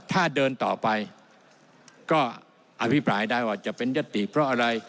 ถ้าเดินต่อไปก็อภิปรายได้ว่าจะเป็นยติเพราะอะไร